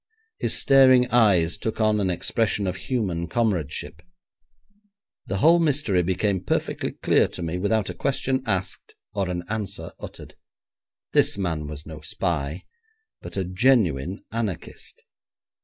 His staring eyes took on an expression of human comradeship. The whole mystery became perfectly clear to me without a question asked or an answer uttered. This man was no spy, but a genuine anarchist.